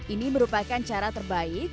ini merupakan cara terbaik